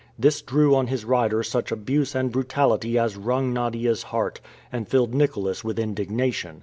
This drew on his rider such abuse and brutality as wrung Nadia's heart, and filled Nicholas with indignation.